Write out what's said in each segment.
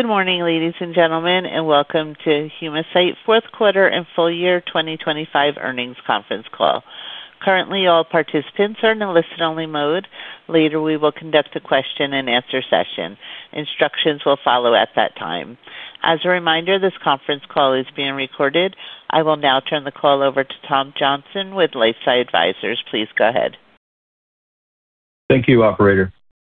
Good morning, ladies and gentlemen, and welcome to Humacyte's fourth quarter and full year 2025 earnings conference call. Currently, all participants are in a listen-only mode. Later, we will conduct a question-and-answer session. Instructions will follow at that time. As a reminder, this conference call is being recorded. I will now turn the call over to Tom Johnson with LifeSci Advisors. Please go ahead. Thank you, operator.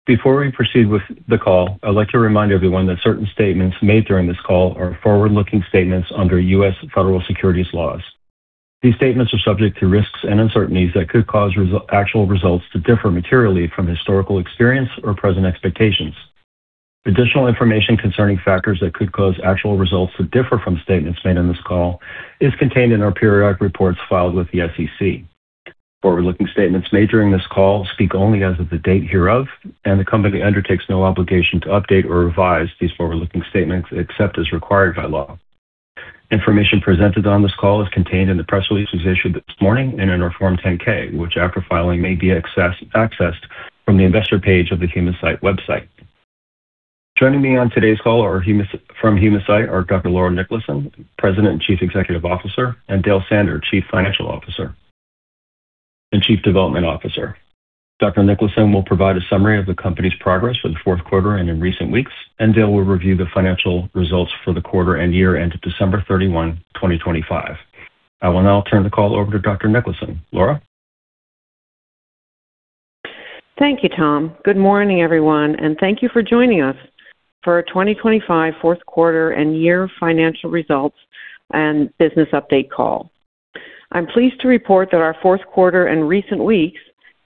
Before we proceed with the call, I'd like to remind everyone that certain statements made during this call are forward-looking statements under U.S. Federal securities laws. These statements are subject to risks and uncertainties that could cause actual results to differ materially from historical experience or present expectations. Additional information concerning factors that could cause actual results to differ from statements made on this call is contained in our periodic reports filed with the SEC. Forward-looking statements made during this call speak only as of the date hereof, and the company undertakes no obligation to update or revise these forward-looking statements except as required by law. Information presented on this call is contained in the press release was issued this morning and in our Form 10-K, which, after filing, may be accessed from the investor page of the Humacyte website. Joining me on today's call are from Humacyte Dr. Laura Niklason, President and Chief Executive Officer, and Dale Sander, Chief Financial Officer and Chief Development Officer. Dr. Niklason will provide a summary of the company's progress for the fourth quarter and in recent weeks, and Dale will review the financial results for the quarter and year ended December 31, 2025. I will now turn the call over to Dr. Niklason. Laura? Thank you, Tom. Good morning, everyone, and thank you for joining us for our 2025 fourth quarter and year financial results and business update call. I'm pleased to report that our fourth quarter and recent weeks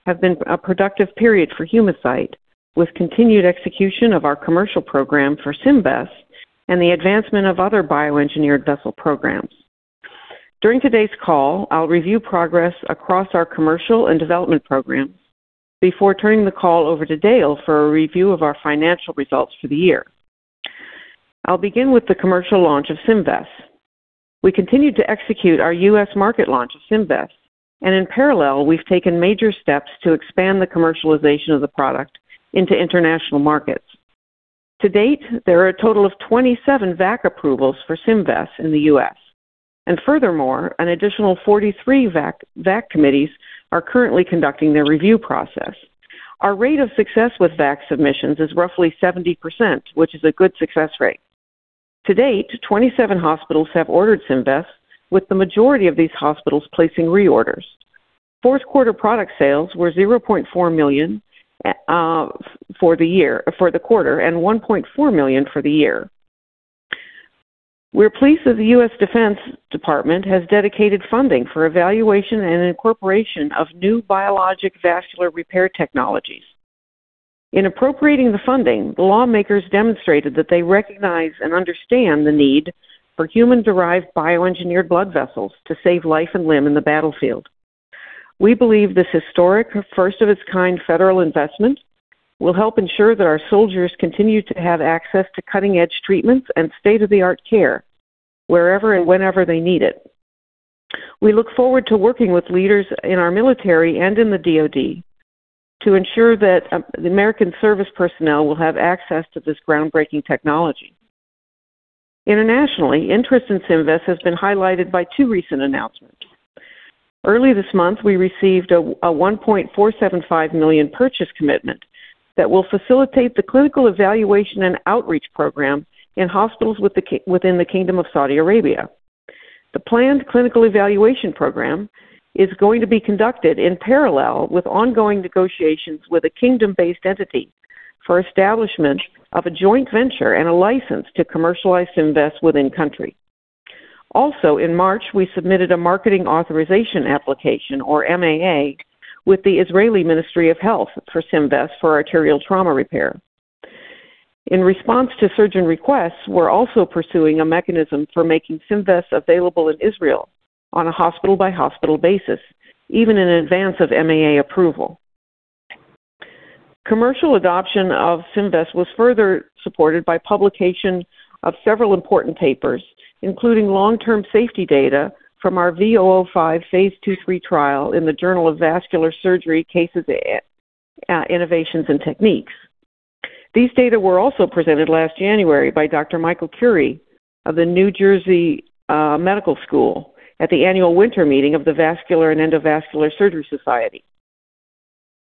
have been a productive period for Humacyte, with continued execution of our commercial program for Symvess and the advancement of other bioengineered vessel programs. During today's call, I'll review progress across our commercial and development program before turning the call over to Dale for a review of our financial results for the year. I'll begin with the commercial launch of Symvess. We continued to execute our U.S. market launch of Symvess, and in parallel, we've taken major steps to expand the commercialization of the product into international markets. To date, there are a total of 27 VAC approvals for Symvess in the U.S. Furthermore, an additional 43 VAC committees are currently conducting their review process. Our rate of success with VAC submissions is roughly 70%, which is a good success rate. To date, 27 hospitals have ordered Symvess, with the majority of these hospitals placing reorders. Q4 product sales were $0.4 million for the quarter and $1.4 million for the year. We're pleased that the U.S. Department of Defense has dedicated funding for evaluation and incorporation of new biologic vascular repair technologies. In appropriating the funding, the lawmakers demonstrated that they recognize and understand the need for human-derived bioengineered blood vessels to save life and limb in the battlefield. We believe this historic first of its kind federal investment will help ensure that our soldiers continue to have access to cutting-edge treatments and state-of-the-art care wherever and whenever they need it. We look forward to working with leaders in our military and in the DoD to ensure that the American service personnel will have access to this groundbreaking technology. Internationally, interest in Symvess has been highlighted by two recent announcements. Early this month, we received a $1.475 million purchase commitment that will facilitate the clinical evaluation and outreach program in hospitals within the Kingdom of Saudi Arabia. The planned clinical evaluation program is going to be conducted in parallel with ongoing negotiations with a kingdom-based entity for establishment of a joint venture and a license to commercialize Symvess within the country. Also, in March, we submitted a marketing authorization application, or MAA, with the Israeli Ministry of Health for Symvess for arterial trauma repair. In response to surgeon requests, we're also pursuing a mechanism for making Symvess available in Israel on a hospital-by-hospital basis, even in advance of MAA approval. Commercial adoption of Symvess was further supported by publication of several important papers, including long-term safety data from our V005 phase II/III trial in the Journal of Vascular Surgery Cases, Innovations and Techniques. These data were also presented last January by Dr. Michael Curry of the New Jersey Medical School at the annual winter meeting of the Vascular and Endovascular Surgery Society.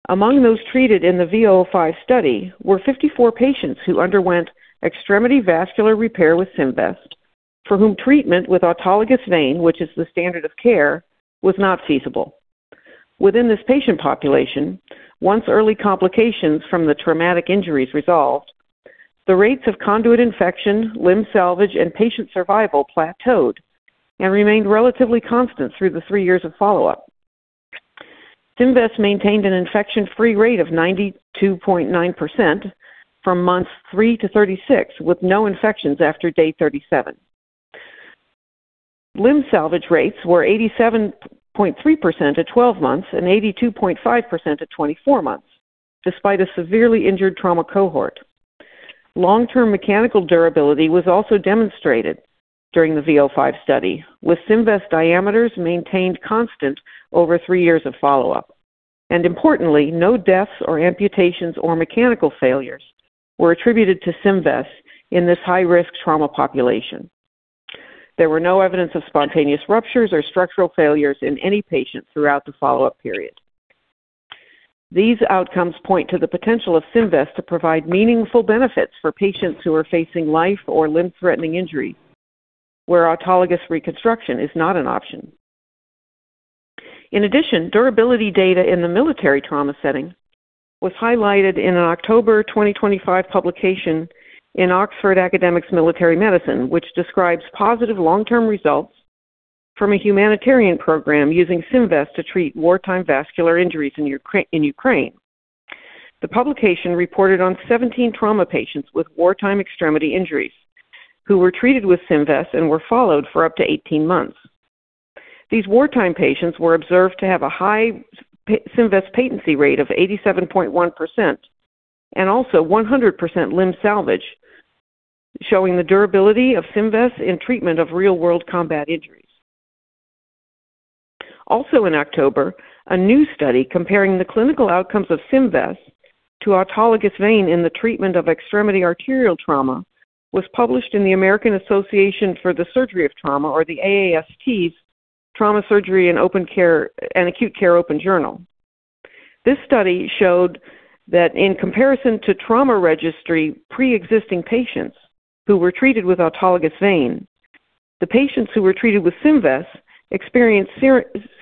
Among those treated in the V005 study were 54 patients who underwent extremity vascular repair with Symvess for whom treatment with autologous vein, which is the standard of care, was not feasible. Within this patient population, once early complications from the traumatic injuries resolved, the rates of conduit infection, limb salvage, and patient survival plateaued and remained relatively constant through the three years of follow-up. Symvess maintained an infection-free rate of 92.9% from months three to 36, with no infections after day 37. Limb salvage rates were 87.3% at 12 months and 82.5% at 24 months, despite a severely injured trauma cohort. Long-term mechanical durability was also demonstrated during the V005 study, with Symvess diameters maintained constant over three years of follow-up. Importantly, no deaths or amputations or mechanical failures were attributed to Symvess in this high-risk trauma population. There were no evidence of spontaneous ruptures or structural failures in any patient throughout the follow-up period. These outcomes point to the potential of Symvess to provide meaningful benefits for patients who are facing life or limb-threatening injuries, where autologous reconstruction is not an option. In addition, durability data in the military trauma setting was highlighted in an October 2025 publication in Oxford Academic Military Medicine, which describes positive long-term results from a humanitarian program using Symvess to treat wartime vascular injuries in Ukraine. The publication reported on 17 trauma patients with wartime extremity injuries who were treated with Symvess and were followed for up to 18 months. These wartime patients were observed to have a high Symvess patency rate of 87.1% and also 100% limb salvage, showing the durability of Symvess in treatment of real-world combat injuries. Also in October, a new study comparing the clinical outcomes of Symvess to autologous vein in the treatment of extremity arterial trauma was published in the American Association for the Surgery of Trauma, or the AAST's Trauma Surgery & Acute Care Open journal. This study showed that in comparison to trauma registry preexisting patients who were treated with autologous vein, the patients who were treated with Symvess experienced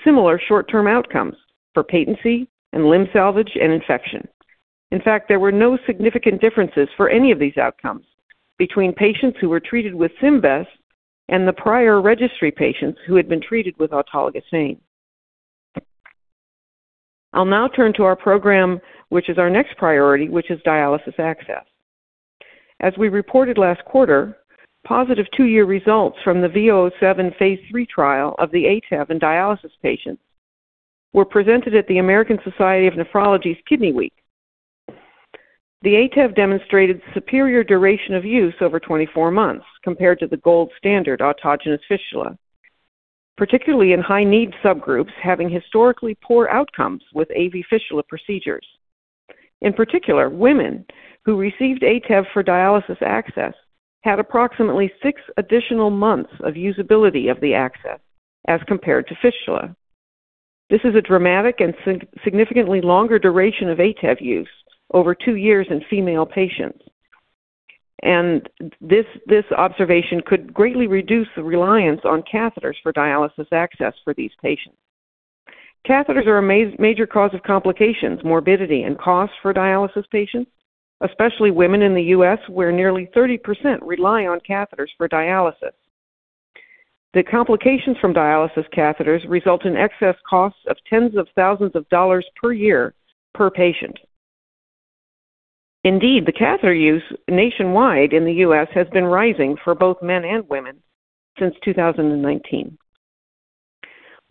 similar short-term outcomes for patency and limb salvage and infection. In fact, there were no significant differences for any of these outcomes between patients who were treated with Symvess and the prior registry patients who had been treated with autologous vein. I'll now turn to our program, which is our next priority, which is dialysis access. As we reported last quarter, positive two year results from the V007 phase III trial of the ATEV in dialysis patients were presented at the American Society of Nephrology's Kidney Week. The ATEV demonstrated superior duration of use over 24 months compared to the gold standard autogenous fistula, particularly in high-need subgroups having historically poor outcomes with AV fistula procedures. In particular, women who received ATEV for dialysis access had approximately six additional months of usability of the access as compared to fistula. This is a dramatic and significantly longer duration of ATEV use over two years in female patients. This observation could greatly reduce the reliance on catheters for dialysis access for these patients. Catheters are a major cause of complications, morbidity, and cost for dialysis patients, especially women in the U.S., where nearly 30% rely on catheters for dialysis. The complications from dialysis catheters result in excess costs of tens of thousands of dollars per year per patient. Indeed, the catheter use nationwide in the U.S. has been rising for both men and women since 2019.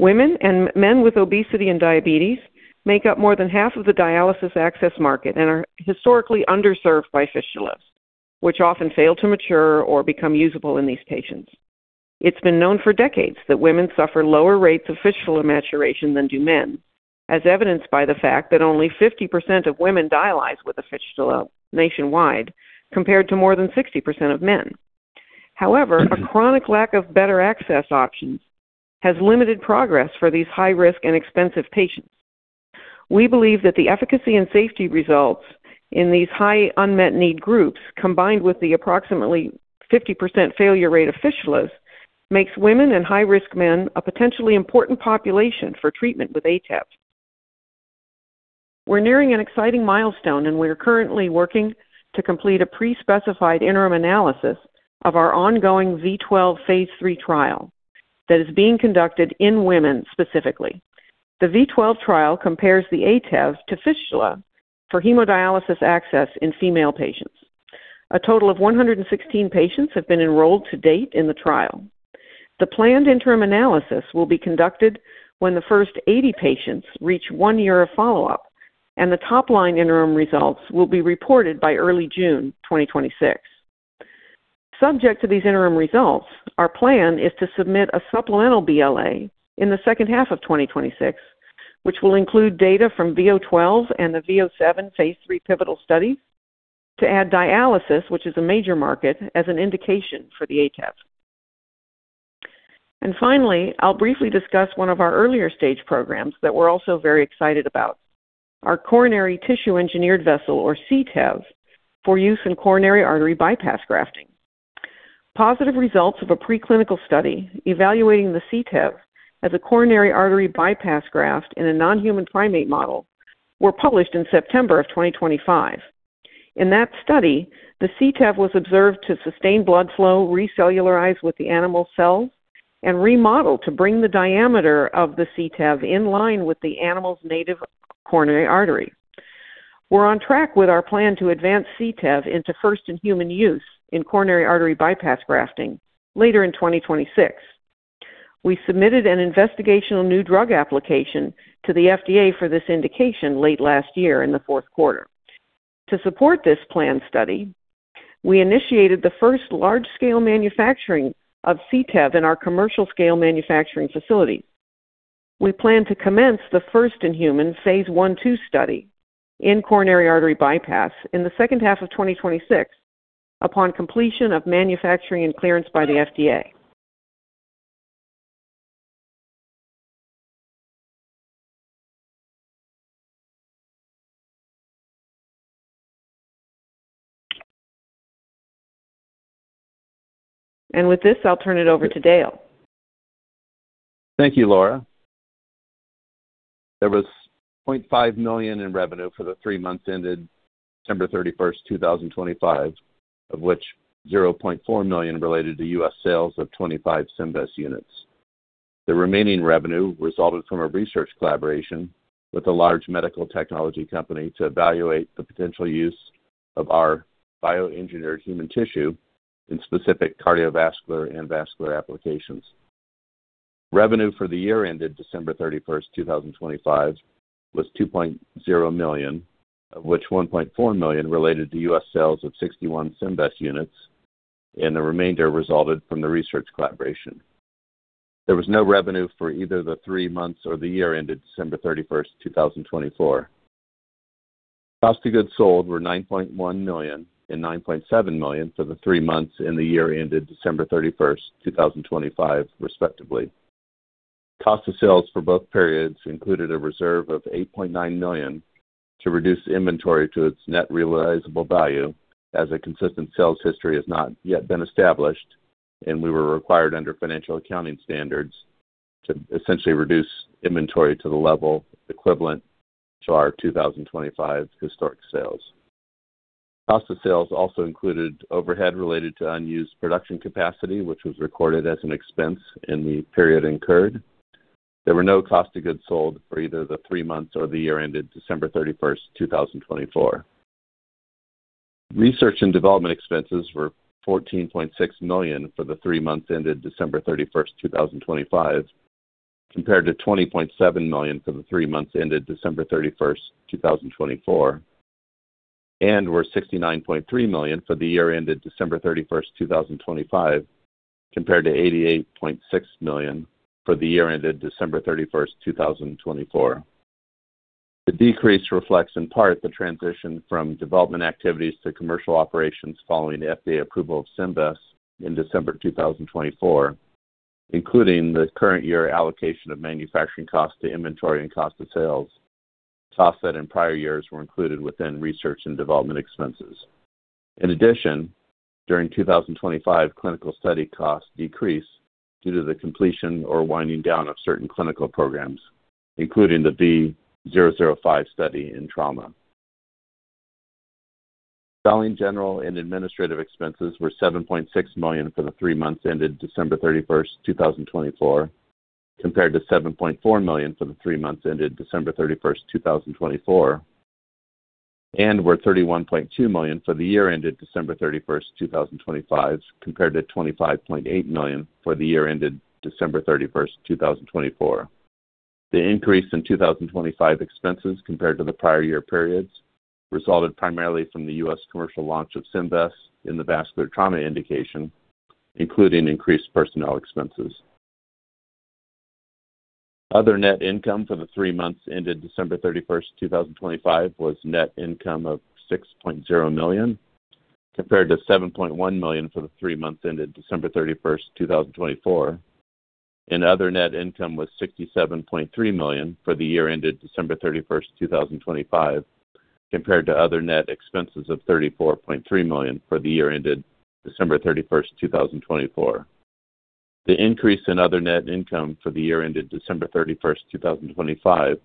Women and men with obesity and diabetes make up more than half of the dialysis access market and are historically underserved by fistulas, which often fail to mature or become usable in these patients. It's been known for decades that women suffer lower rates of fistula maturation than do men, as evidenced by the fact that only 50% of women dialyze with a fistula nationwide, compared to more than 60% of men. However, a chronic lack of better access options has limited progress for these high-risk and expensive patients. We believe that the efficacy and safety results in these high unmet need groups, combined with the approximately 50% failure rate of fistulas, makes women and high-risk men a potentially important population for treatment with ATEV. We're nearing an exciting milestone, and we're currently working to complete a pre-specified interim analysis of our ongoing V012 phase III trial that is being conducted in women specifically. The V012 trial compares the ATEV to fistula for hemodialysis access in female patients. A total of 116 patients have been enrolled to date in the trial. The planned interim analysis will be conducted when the first 80 patients reach one year of follow-up, and the top-line interim results will be reported by early June 2026. Subject to these interim results, our plan is to submit a supplemental BLA in the second half of 2026, which will include data from V012s and the V007 phase III pivotal study to add dialysis, which is a major market, as an indication for the ATEV. Finally, I'll briefly discuss one of our earlier stage programs that we're also very excited about. Our coronary tissue engineered vessel, or CTEV, for use in coronary artery bypass grafting. Positive results of a preclinical study evaluating the CTEV as a coronary artery bypass graft in a non-human primate model were published in September 2025. In that study, the CTEV was observed to sustain blood flow, recellularize with the animal's cells, and remodel to bring the diameter of the CTEV in line with the animal's native coronary artery. We're on track with our plan to advance CTEV into first in human use in coronary artery bypass grafting later in 2026. We submitted an investigational new drug application to the FDA for this indication late last year in the fourth quarter. To support this planned study, we initiated the first large-scale manufacturing of CTEV in our commercial scale manufacturing facility. We plan to commence the first-in-human phase I/II study in coronary artery bypass in the second half of 2026 upon completion of manufacturing and clearance by the FDA. With this, I'll turn it over to Dale. Thank you, Laura. There was $0.5 million in revenue for the three months ended December 31, 2025, of which $0.4 million related to U.S. sales of 25 Symvess units. The remaining revenue resulted from a research collaboration with a large medical technology company to evaluate the potential use of our bioengineered human tissue in specific cardiovascular and vascular applications. Revenue for the year ended December 31, 2025 was $2.0 million, of which $1.4 million related to U.S. sales of 61 Symvess units, and the remainder resulted from the research collaboration. There was no revenue for either the three months or the year ended December 31, 2024. Cost of goods sold were $9.1 million and $9.7 million for the three months and the year ended December 31, 2025, respectively. Cost of sales for both periods included a reserve of $8.9 million to reduce inventory to its net realizable value, as a consistent sales history has not yet been established, and we were required under financial accounting standards to essentially reduce inventory to the level equivalent to our 2025 historic sales. Cost of sales also included overhead related to unused production capacity, which was recorded as an expense in the period incurred. There were no cost of goods sold for either the three months or the year ended December 31, 2024. Research and development expenses were $14.6 million for the three months ended December 31, 2025, compared to $20.7 million for the three months ended December 31, 2024, and were $69.3 million for the year ended December 31, 2025, compared to $88.6 million for the year ended December 31, 2024. The decrease reflects in part the transition from development activities to commercial operations following FDA approval of Symvess in December 2024, including the current year allocation of manufacturing costs to inventory and cost of sales, costs that in prior years were included within research and development expenses. In addition, during 2025, clinical study costs decreased due to the completion or winding down of certain clinical programs, including the V005 study in trauma. Selling, general and administrative expenses were $7.6 million for the three months ended December 31, 2024, compared to $7.4 million for the three months ended December 31, 2024, and were $31.2 million for the year ended December 31, 2025, compared to $25.8 million for the year ended December 31, 2024. The increase in 2025 expenses compared to the prior year periods resulted primarily from the U.S. commercial launch of Symvess in the vascular trauma indication, including increased personnel expenses. Other net income for the three months ended December 31, 2025 was net income of $6.0 million, compared to $7.1 million for the three months ended December 31, 2024, and other net income was $67.3 million for the year ended December 31, 2025, compared to other net expenses of $34.3 million for the year ended December 31, 2024. The increase in other net income for the year ended December 31, 2025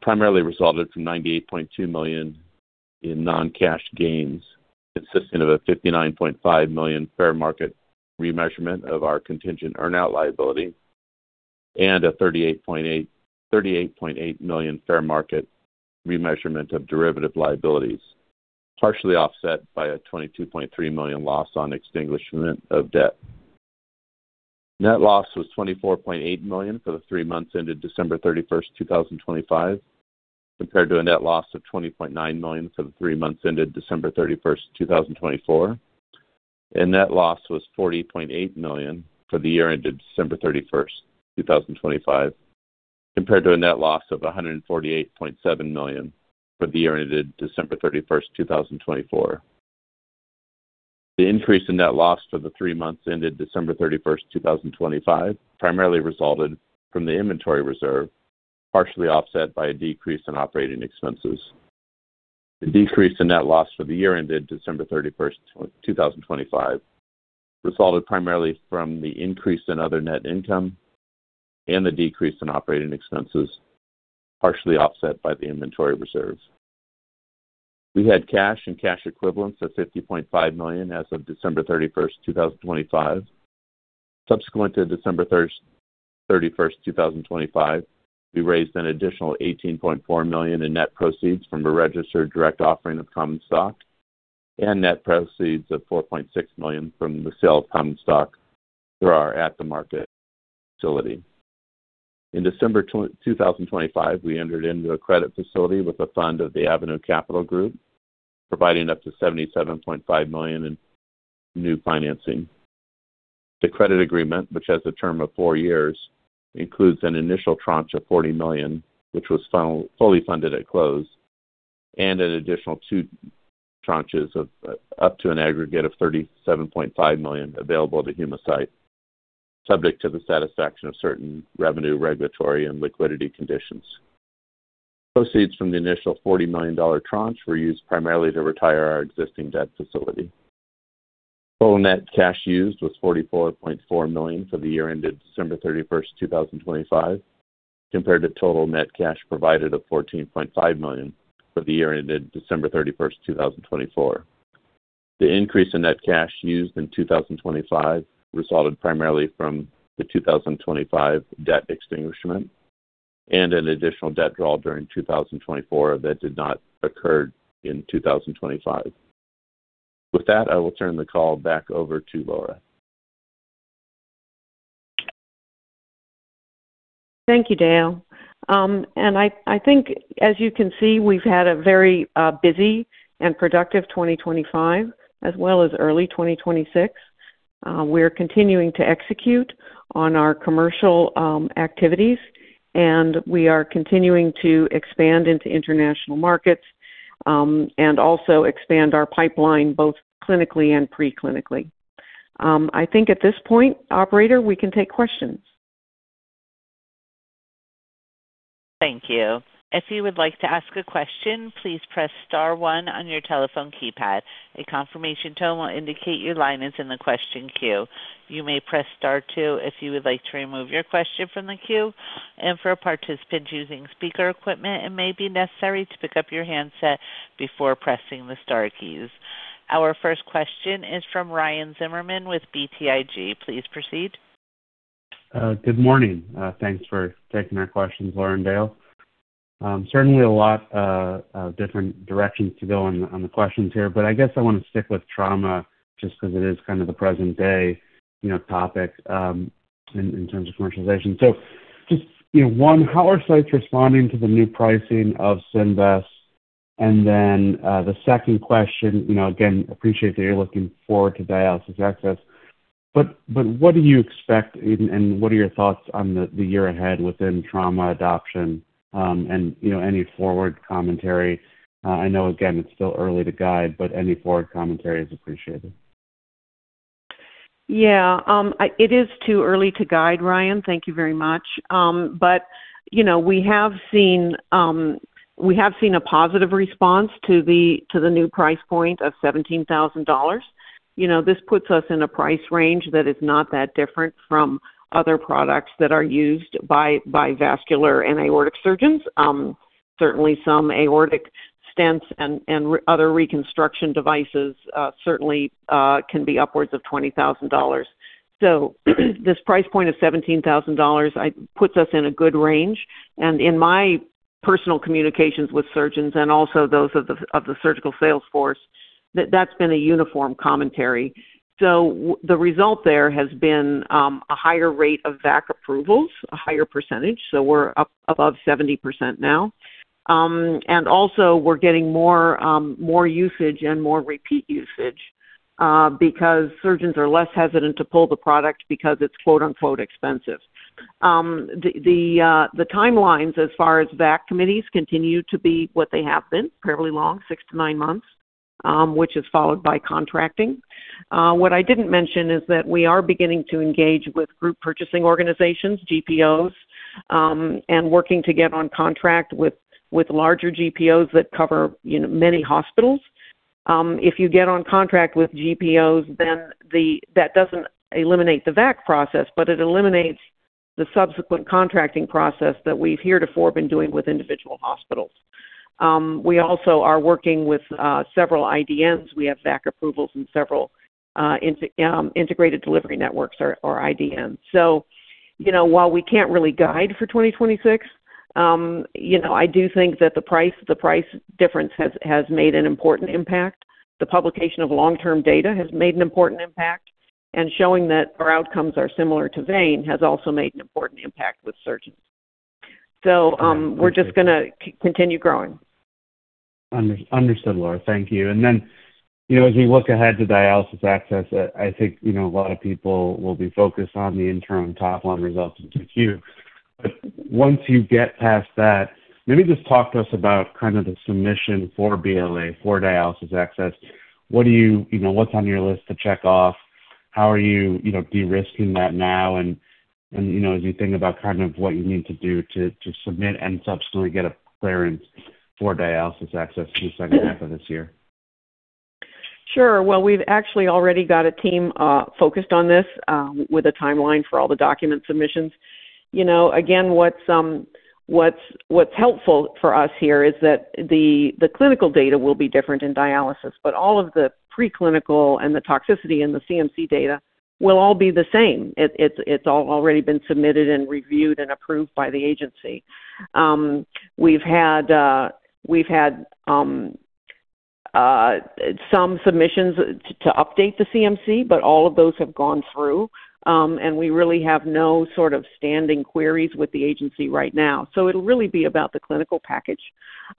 primarily resulted from $98.2 million in non-cash gains, consisting of a $59.5 million fair market remeasurement of our contingent earnout liability and a $38.8 million fair market remeasurement of derivative liabilities, partially offset by a $22.3 million loss on extinguishment of debt. Net loss was $24.8 million for the three months ended December 31, 2025, compared to a net loss of $20.9 million for the three months ended December 31, 2024, and net loss was $40.8 million for the year ended December 31, 2025, compared to a net loss of $148.7 million for the year ended December 31, 2024. The increase in net loss for the three months ended December 31, 2025 primarily resulted from the inventory reserve, partially offset by a decrease in operating expenses. The decrease in net loss for the year ended December 31, 2025 resulted primarily from the increase in other net income and the decrease in operating expenses, partially offset by the inventory reserves. We had cash and cash equivalents of $50.5 million as of December 31, 2025. Subsequent to December 31, 2025, we raised an additional $18.4 million in net proceeds from a registered direct offering of common stock and net proceeds of $4.6 million from the sale of common stock through our at-the-market facility. In December 2025, we entered into a credit facility with a fund of the Avenue Capital Group, providing up to $77.5 million in new financing. The credit agreement, which has a term of four years, includes an initial tranche of $40 million, which was funded fully at close, and an additional two tranches of up to an aggregate of $37.5 million available to Humacyte, subject to the satisfaction of certain revenue, regulatory, and liquidity conditions. Proceeds from the initial $40 million tranche were used primarily to retire our existing debt facility. Total net cash used was $44.4 million for the year ended December 31, 2025, compared to total net cash provided of $14.5 million for the year ended December 31, 2024. The increase in net cash used in 2025 resulted primarily from the 2025 debt extinguishment and an additional debt draw during 2024 that did not occur in 2025. With that, I will turn the call back over to Laura. Thank you, Dale. I think as you can see, we've had a very busy and productive 2025 as well as early 2026. We're continuing to execute on our commercial activities, and we are continuing to expand into international markets and also expand our pipeline both clinically and pre-clinically. I think at this point, operator, we can take questions. Thank you. If you would like to ask a question, please press star one on your telephone keypad. A confirmation tone will indicate your line is in the question queue. You may press star two if you would like to remove your question from the queue. For participants using speaker equipment, it may be necessary to pick up your handset before pressing the star keys. Our first question is from Ryan Zimmerman with BTIG. Please proceed. Good morning. Thanks for taking our questions, Laura Niklason and Dale Sander. Certainly a lot of different directions to go on the questions here, but I guess I want to stick with trauma just because it is kind of the present day, you know, topic in terms of commercialization. Just, you know, one, how are sites responding to the new pricing of Symvess? And then, the second question, you know, again, appreciate that you're looking forward to dialysis access, but what do you expect and what are your thoughts on the year ahead within trauma adoption? And you know, any forward commentary? I know again, it's still early to guide, but any forward commentary is appreciated. Yeah, it is too early to guide, Ryan. Thank you very much. You know, we have seen a positive response to the new price point of $17,000. You know, this puts us in a price range that is not that different from other products that are used by vascular and aortic surgeons. Certainly some aortic stents and other reconstruction devices can be upwards of $20,000. This price point of $17,000 puts us in a good range. In my personal communications with surgeons and also those of the surgical sales force, that's been a uniform commentary. The result there has been a higher rate of VAC approvals, a higher percentage. We're up above 70% now. We're getting more usage and more repeat usage because surgeons are less hesitant to pull the product because it's quote-unquote expensive. The timelines as far as VAC committees continue to be what they have been, fairly long, six to nine months, which is followed by contracting. What I didn't mention is that we are beginning to engage with group purchasing organizations, GPOs, and working to get on contract with larger GPOs that cover you know many hospitals. If you get on contract with GPOs, then that doesn't eliminate the VAC process, but it eliminates the subsequent contracting process that we've heretofore been doing with individual hospitals. We also are working with several IDNs. We have VAC approvals in several integrated delivery networks or IDNs. you know, while we can't really guide for 2026, you know, I do think that the price difference has made an important impact. The publication of long-term data has made an important impact. Showing that our outcomes are similar to vein has also made an important impact with surgeons. We're just gonna continue growing. Understood, Laura. Thank you. you know, as we look ahead to dialysis access, I think, you know, a lot of people will be focused on the interim top-line results in Q4. once you get past that, maybe just talk to us about kind of the submission for BLA for dialysis access. You know, what's on your list to check off? How are you know, de-risking that now? and, you know, as you think about kind of what you need to do to submit and subsequently get a clearance for dialysis access in the second half of this year. Sure. Well, we've actually already got a team focused on this with a timeline for all the document submissions. You know, again, what's helpful for us here is that the clinical data will be different in dialysis, but all of the preclinical and the toxicity and the CMC data will all be the same. It's all already been submitted and reviewed and approved by the agency. We've had some submissions to update the CMC, but all of those have gone through. We really have no sort of standing queries with the agency right now. It'll really be about the clinical package.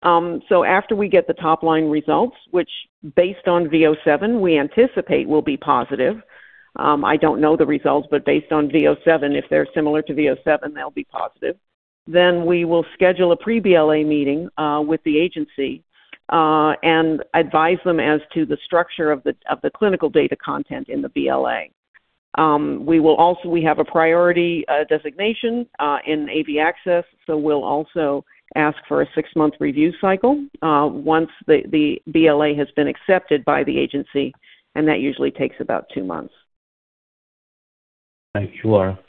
After we get the top-line results, which based on V007, we anticipate will be positive. I don't know the results, but based on V007, if they're similar to V007, they'll be positive. We will schedule a pre-BLA meeting with the agency and advise them as to the structure of the clinical data content in the BLA. We have a priority designation in AV access, so we'll also ask for a six-month review cycle once the BLA has been accepted by the agency, and that usually takes about two months. Thank you, Laura.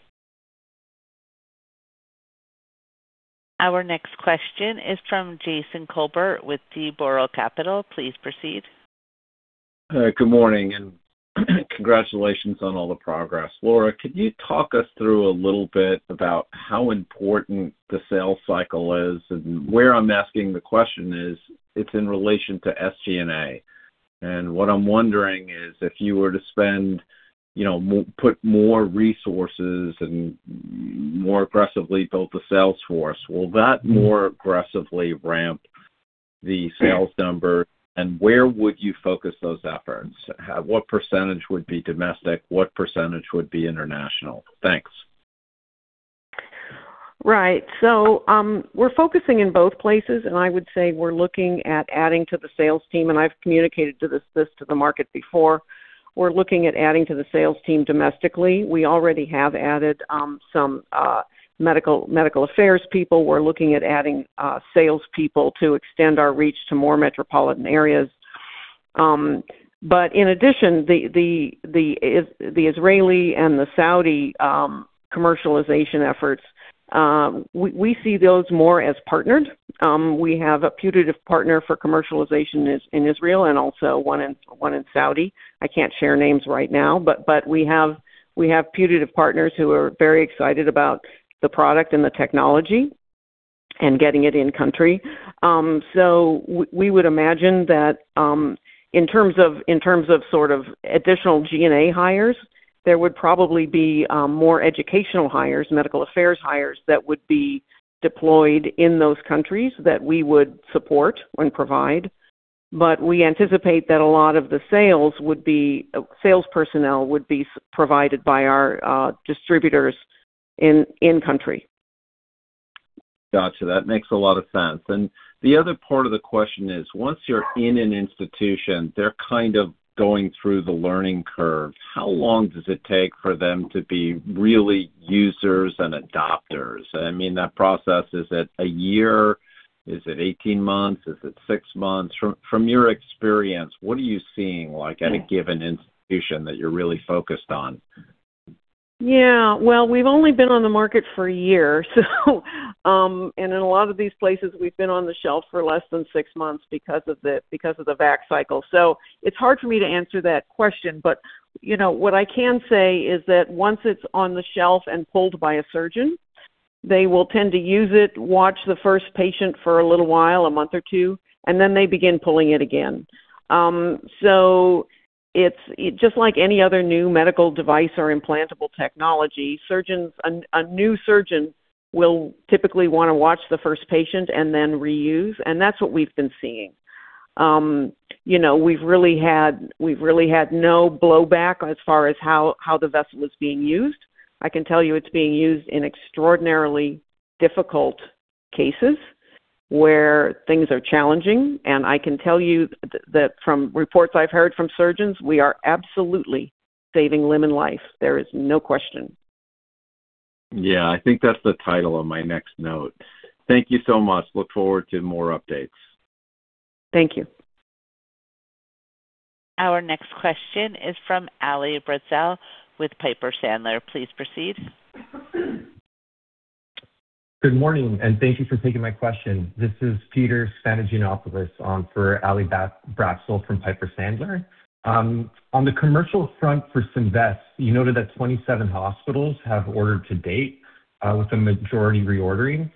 Our next question is from Jason Kolbert with D. Boral Capital. Please proceed. Good morning and congratulations on all the progress. Laura, could you talk us through a little bit about how important the sales cycle is? Where I'm asking the question is it's in relation to SG&A. What I'm wondering is, if you were to spend, you know, put more resources and more aggressively build the sales force, will that more aggressively ramp the sales numbers? Where would you focus those efforts? What percentage would be domestic? What percentage would be international? Thanks. Right. We're focusing in both places, and I would say we're looking at adding to the sales team, and I've communicated this to the market before. We're looking at adding to the sales team domestically. We already have added some medical affairs people. We're looking at adding sales people to extend our reach to more metropolitan areas. But in addition, the Israeli and the Saudi commercialization efforts, we see those more as partnered. We have a putative partner for commercialization in Israel and also one in Saudi. I can't share names right now, but we have putative partners who are very excited about the product and the technology and getting it in country. We would imagine that, in terms of sort of additional G&A hires, there would probably be more educational hires, medical affairs hires that would be deployed in those countries that we would support and provide. We anticipate that a lot of the sales personnel would be provided by our distributors in country. Gotcha. That makes a lot of sense. The other part of the question is, once you're in an institution, they're kind of going through the learning curve. How long does it take for them to be really users and adopters? I mean, that process, is it a year? Is it 18 months? Is it six months? From your experience, what are you seeing, like at a given institution that you're really focused on? Yeah. Well, we've only been on the market for a year, and in a lot of these places we've been on the shelf for less than six months because of the VAC cycle. It's hard for me to answer that question. You know, what I can say is that once it's on the shelf and pulled by a surgeon, they will tend to use it, watch the first patient for a little while, a month or two, and then they begin pulling it again. It's just like any other new medical device or implantable technology. Surgeons, a new surgeon will typically wanna watch the first patient and then reuse, and that's what we've been seeing. You know, we've really had no blowback as far as how the vessel is being used. I can tell you it's being used in extraordinarily difficult cases where things are challenging, and I can tell you that from reports I've heard from surgeons, we are absolutely saving limb and life. There is no question. Yeah. I think that's the title of my next note. Thank you so much. I look forward to more updates. Thank you. Our next question is from Ali Brazell with Piper Sandler. Please proceed. Good morning, and thank you for taking my question. This is Peter Spanogiannopoulos for Ali Brazell from Piper Sandler. On the commercial front for Symvess, you noted that 27 hospitals have ordered to date, with the majority reordering.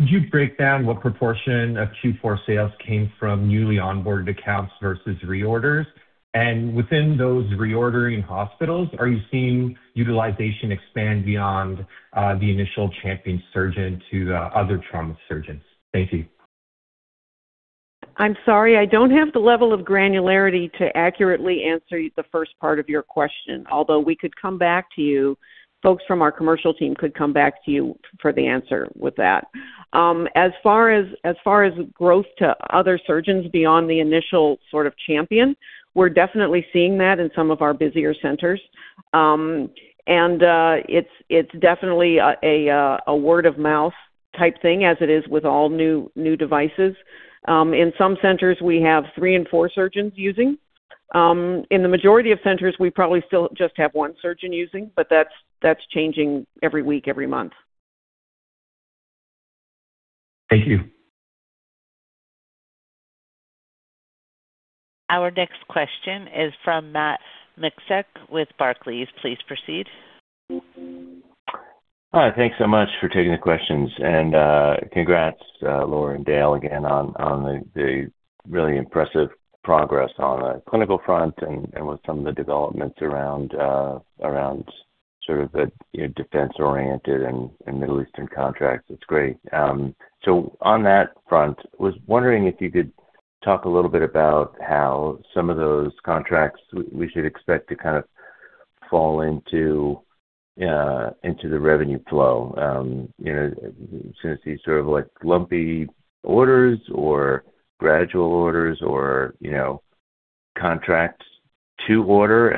Could you break down what proportion of Q4 sales came from newly onboarded accounts versus reorders? And within those reordering hospitals, are you seeing utilization expand beyond the initial champion surgeon to the other trauma surgeons? Thank you. I'm sorry. I don't have the level of granularity to accurately answer the first part of your question, although we could come back to you. Folks from our commercial team could come back to you for the answer with that. As far as growth to other surgeons beyond the initial sort of champion, we're definitely seeing that in some of our busier centers. It's definitely a word of mouth type thing as it is with all new devices. In some centers we have three and four surgeons using. In the majority of centers, we probably still just have one surgeon using, but that's changing every week, every month. Thank you. Our next question is from Matt Miksic with Barclays. Please proceed. Hi. Thanks so much for taking the questions. Congrats, Laura and Dale again on the really impressive progress on the clinical front and with some of the developments around sort of the, you know, defense-oriented and Middle Eastern contracts. It's great. On that front, was wondering if you could talk a little bit about how some of those contracts we should expect to kind of fall into the revenue flow. You know, since these sort of like lumpy orders or gradual orders or, you know, contracts to order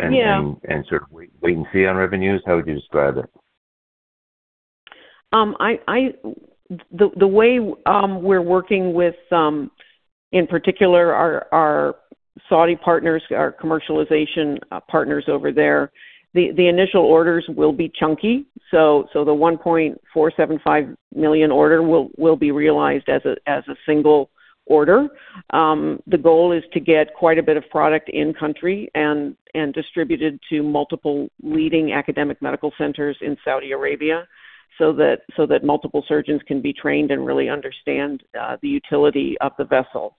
sort of wait and see on revenues. How would you describe it? The way we're working with, in particular our Saudi partners, our commercialization partners over there, the initial orders will be chunky. The $1.475 million order will be realized as a single order. The goal is to get quite a bit of product in country and distributed to multiple leading academic medical centers in Saudi Arabia so that multiple surgeons can be trained and really understand the utility of the vessel.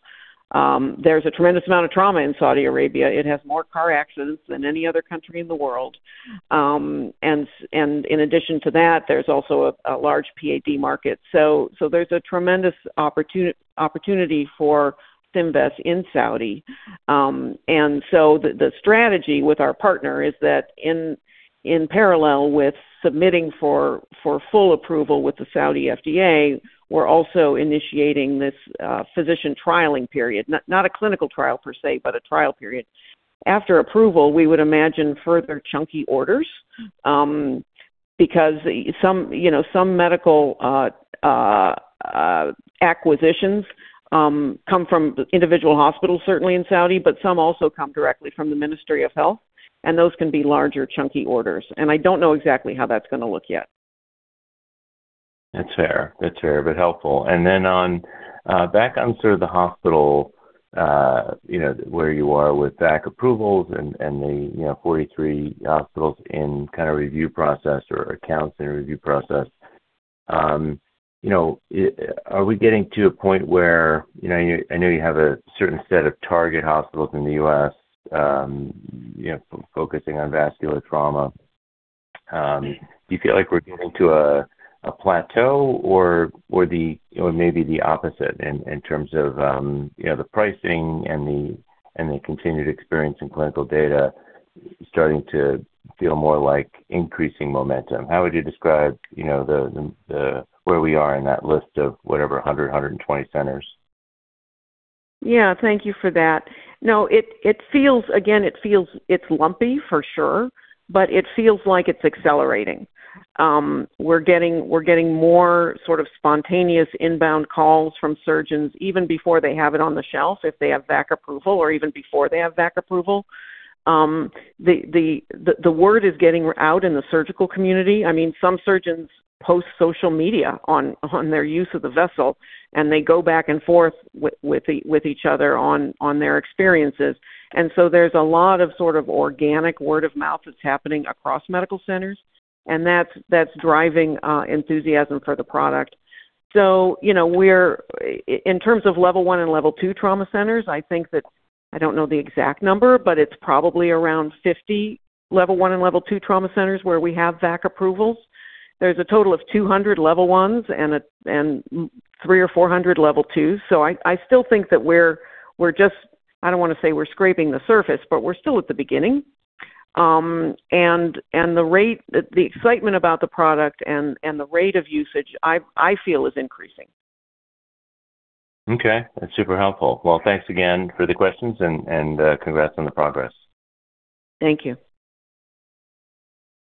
There's a tremendous amount of trauma in Saudi Arabia. It has more car accidents than any other country in the world. In addition to that, there's also a large PAD market. There's a tremendous opportunity for Symvess in Saudi. The strategy with our partner is that in parallel with submitting for full approval with the Saudi FDA, we're also initiating this physician trialing period. Not a clinical trial per se, but a trial period. After approval, we would imagine further chunky orders, because some, you know, some medical acquisitions come from individual hospitals certainly in Saudi, but some also come directly from the Ministry of Health, and those can be larger chunky orders. I don't know exactly how that's gonna look yet. That's fair, but helpful. Then on back on sort of the hospital, you know, where you are with VAC approvals and the 43 hospitals in kind of review process or accounts and review process, you know, are we getting to a point where, you know, you I know you have a certain set of target hospitals in the U.S., you know, focusing on vascular trauma. Do you feel like we're getting to a plateau or maybe the opposite in terms of, you know, the pricing and the continued experience in clinical data starting to feel more like increasing momentum? How would you describe, you know, the where we are in that list of whatever 120 centers? Yeah. Thank you for that. No. It feels it's lumpy for sure, but it feels like it's accelerating. We're getting more sort of spontaneous inbound calls from surgeons even before they have it on the shelf if they have VAC approval. The word is getting out in the surgical community. I mean, some surgeons post on social media on their use of the vessel, and they go back and forth with each other on their experiences. There's a lot of sort of organic word-of-mouth that's happening across medical centers, and that's driving enthusiasm for the product. You know, in terms of level one and level two trauma centers, I think that. I don't know the exact number, but it's probably around 50 level one and level two trauma centers where we have VAC approvals. There's a total of 200 level ones and 300 or 400 level twos. I still think that we're, I don't wanna say we're scraping the surface, but we're still at the beginning. The excitement about the product and the rate of usage, I feel is increasing. Okay. That's super helpful. Well, thanks again for the questions and congrats on the progress. Thank you.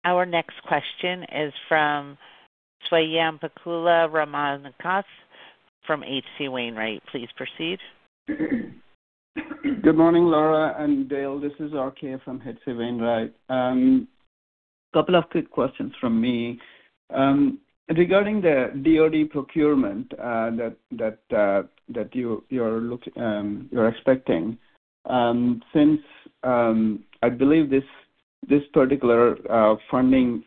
Our next question is from Swayampakula Ramakanth from H.C. Wainwright. Please proceed. Good morning, Laura and Dale. This is RK from H.C. Wainwright. A couple of quick questions from me. Regarding the DoD procurement that you are expecting, since I believe this particular funding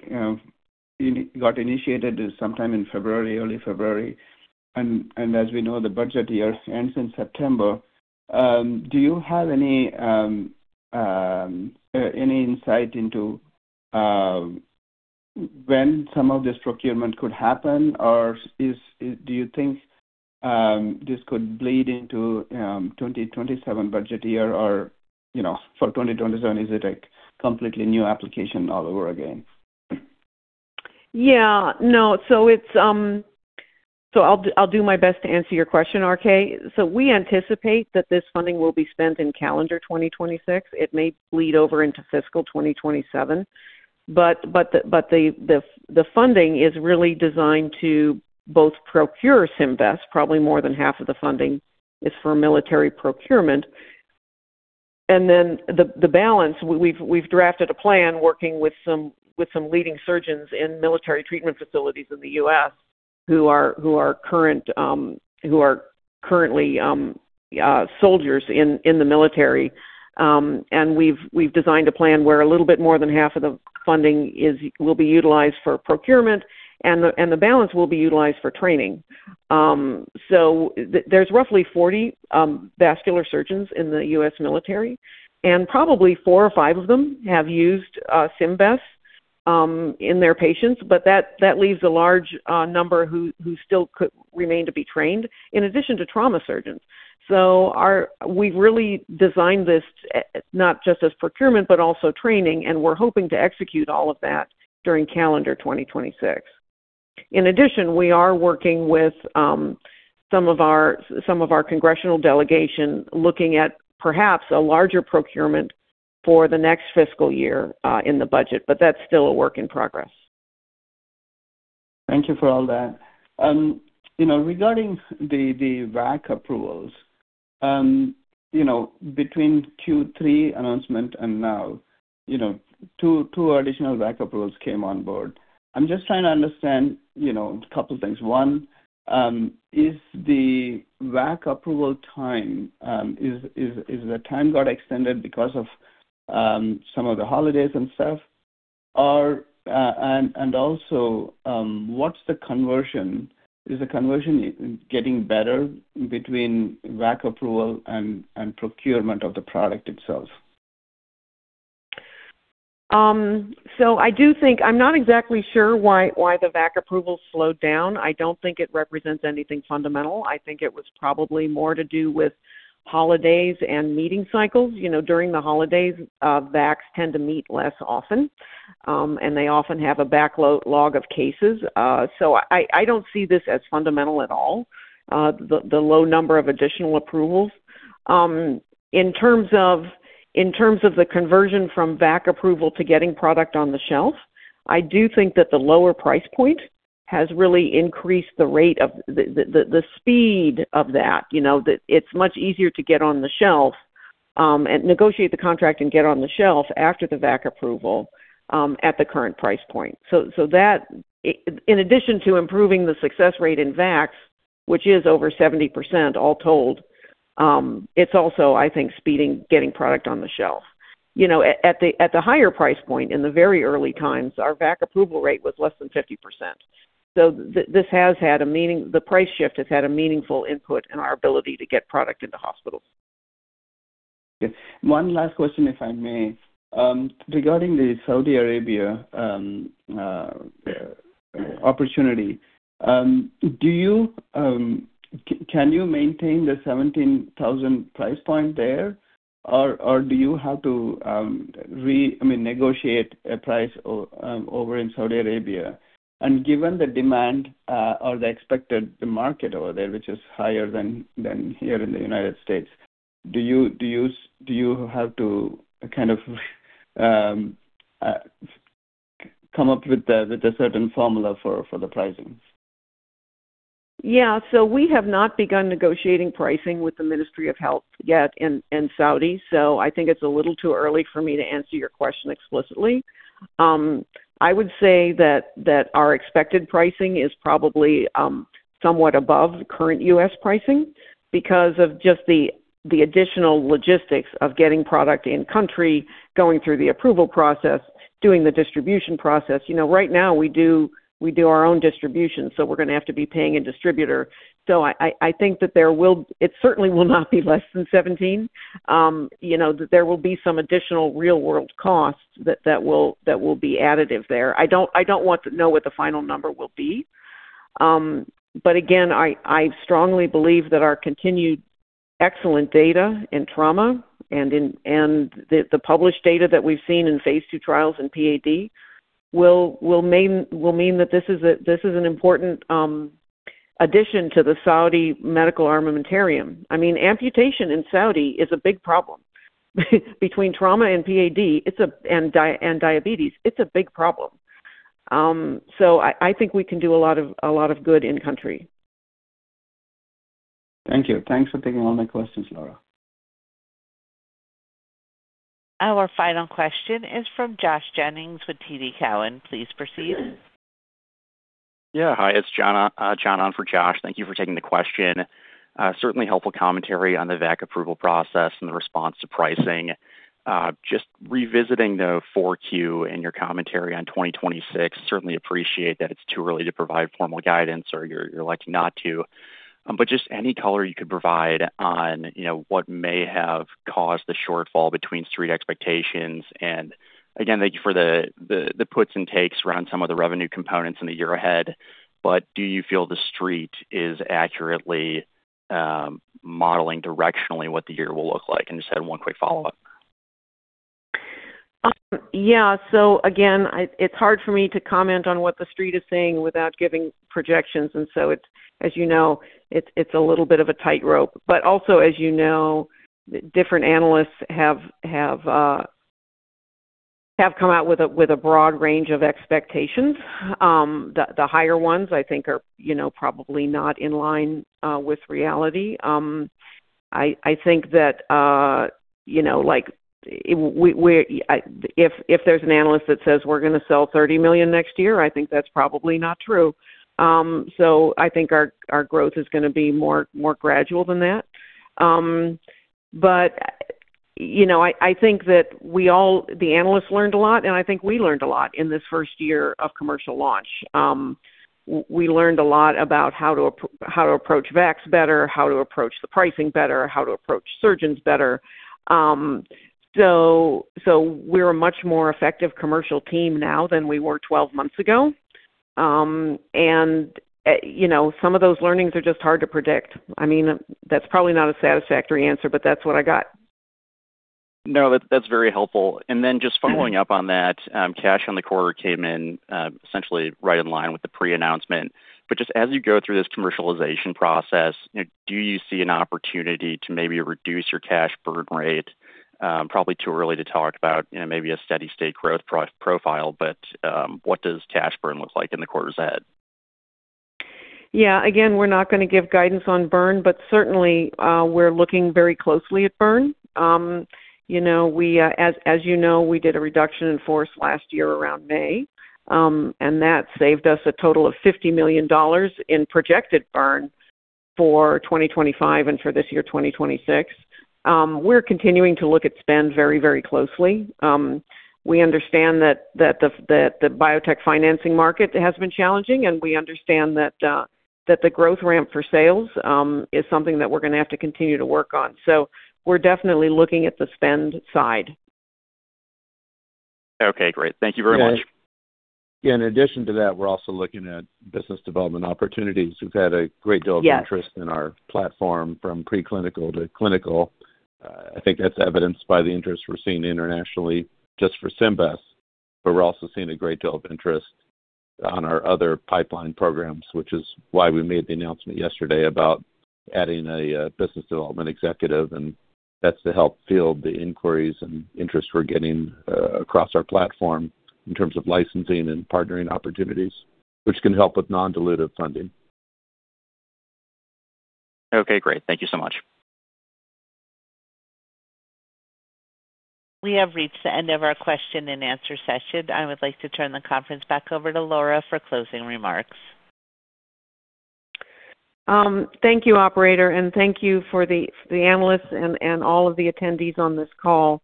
you know got initiated sometime in February, early February, and as we know, the budget year ends in September, do you have any insight into when some of this procurement could happen? Or do you think this could bleed into the 2027 budget year or, you know, for 2027, is it a completely new application all over again? Yeah. No. I'll do my best to answer your question, RK. We anticipate that this funding will be spent in calendar 2026. It may bleed over into fiscal 2027, but the funding is really designed to both procure Symvess. Probably more than half of the funding is for military procurement. Then the balance, we've drafted a plan working with some leading surgeons in military treatment facilities in the U.S. Who are currently soldiers in the military. We've designed a plan where a little bit more than half of the funding will be utilized for procurement, and the balance will be utilized for training. There's roughly 40 vascular surgeons in the U.S. military, and probably four or five of them have used Symvess in their patients. That leaves a large number who still could remain to be trained in addition to trauma surgeons. We've really designed this not just as procurement, but also training, and we're hoping to execute all of that during calendar 2026. In addition, we are working with some of our congressional delegation, looking at perhaps a larger procurement for the next fiscal year in the budget, but that's still a work in progress. Thank you for all that. You know, regarding the VAC approvals, you know, between Q3 announcement and now, you know, two additional VAC approvals came on board. I'm just trying to understand, you know, a couple things. One, is the VAC approval time, is the time got extended because of some of the holidays and stuff? Or, and also, what's the conversion? Is the conversion getting better between VAC approval and procurement of the product itself? I do think, I'm not exactly sure why the VAC approval slowed down. I don't think it represents anything fundamental. I think it was probably more to do with holidays and meeting cycles. During the holidays, VACs tend to meet less often, and they often have a backlog of cases. I don't see this as fundamental at all, the low number of additional approvals. In terms of the conversion from VAC approval to getting product on the shelf, I do think that the lower price point has really increased the rate of the speed of that. It's much easier to get on the shelf, negotiate the contract and get on the shelf after the VAC approval, at the current price point. In addition to improving the success rate in VACs, which is over 70% all told, it's also, I think, speeding up getting product on the shelf. You know, at the higher price point in the very early days, our VAC approval rate was less than 50%. The price shift has had a meaningful input in our ability to get product into hospitals. One last question, if I may. Regarding the Saudi Arabia opportunity, can you maintain the $17,000 price point there, or do you have to, I mean, negotiate a price over in Saudi Arabia? Given the demand or the expected market over there, which is higher than here in the United States, do you have to kind of come up with a certain formula for the pricing? Yeah. We have not begun negotiating pricing with the Ministry of Health yet in Saudi. I think it's a little too early for me to answer your question explicitly. I would say that our expected pricing is probably somewhat above current U.S. pricing because of just the additional logistics of getting product in country, going through the approval process, doing the distribution process. You know, right now we do our own distribution, so we're gonna have to be paying a distributor. I think that there will. It certainly will not be less than $17. You know, there will be some additional real-world costs that will be additive there. I don't know what the final number will be. Again, I strongly believe that our continued excellent data in trauma and the published data that we've seen in phase II trials in PAD will mean that this is an important addition to the Saudi medical armamentarium. I mean, amputation in Saudi is a big problem. Between trauma and PAD, and diabetes, it's a big problem. I think we can do a lot of good in country. Thank you. Thanks for taking all my questions, Laura. Our final question is from Joshua Jennings with TD Cowen. Please proceed. Yeah. Hi, it's John on for Josh. Thank you for taking the question. Certainly helpful commentary on the VAC approval process and the response to pricing. Just revisiting the Q4 in your commentary on 2026, certainly appreciate that it's too early to provide formal guidance or you're likely not to. Just any color you could provide on, you know, what may have caused the shortfall between Street expectations. Again, thank you for the puts and takes around some of the revenue components in the year ahead. Do you feel the Street is accurately modeling directionally what the year will look like? Just had one quick follow-up. Yeah. Again, it's hard for me to comment on what the Street is saying without giving projections. It's, as you know, a little bit of a tightrope. Also, as you know, different analysts have come out with a broad range of expectations. The higher ones I think are, you know, probably not in line with reality. I think that, you know, like if there's an analyst that says we're gonna sell $30 million next year, I think that's probably not true. I think our growth is gonna be more gradual than that. I think that we all, the analysts, learned a lot, and I think we learned a lot in this first year of commercial launch. We learned a lot about how to approach VAC better, how to approach the pricing better, how to approach surgeons better. So we're a much more effective commercial team now than we were 12 months ago. You know, some of those learnings are just hard to predict. I mean, that's probably not a satisfactory answer, but that's what I got. No, that's very helpful. Just following up on that, cash for the quarter came in essentially right in line with the pre-announcement. Just as you go through this commercialization process, you know, do you see an opportunity to maybe reduce your cash burn rate? Probably too early to talk about, you know, maybe a steady-state growth profile, but what does cash burn look like in the quarters ahead? Yeah. Again, we're not gonna give guidance on burn, but certainly, we're looking very closely at burn. You know, as you know, we did a reduction in force last year around May, and that saved us a total of $50 million in projected burn for 2025 and for this year, 2026. We're continuing to look at spend very, very closely. We understand that the biotech financing market has been challenging, and we understand that the growth ramp for sales is something that we're gonna have to continue to work on. We're definitely looking at the spend side. Okay, great. Thank you very much. Yeah. In addition to that, we're also looking at business development opportunities. We've had a great deal. Yeah of interest in our platform from preclinical to clinical. I think that's evidenced by the interest we're seeing internationally just for Symvess, but we're also seeing a great deal of interest on our other pipeline programs, which is why we made the announcement yesterday about adding a business development executive, and that's to help field the inquiries and interest we're getting across our platform in terms of licensing and partnering opportunities, which can help with non-dilutive funding. Okay, great. Thank you so much. We have reached the end of our question and answer session. I would like to turn the conference back over to Laura for closing remarks. Thank you, operator, and thank you for the analysts and all of the attendees on this call.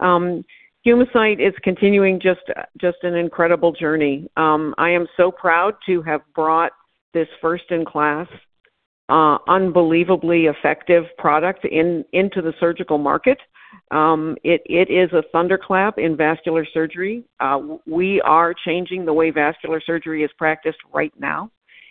Humacyte is continuing just an incredible journey. I am so proud to have brought this first-in-class, unbelievably effective product into the surgical market. It is a thunderclap in vascular surgery. We are changing the way vascular surgery is practiced right now,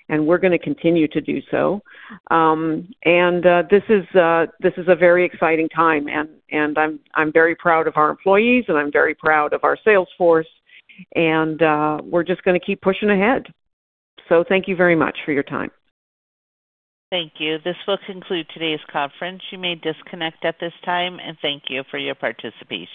and we're gonna continue to do so. This is a very exciting time, and I'm very proud of our employees, and I'm very proud of our sales force, and we're just gonna keep pushing ahead. Thank you very much for your time. Thank you. This will conclude today's conference. You may disconnect at this time, and thank you for your participation.